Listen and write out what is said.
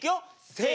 せの。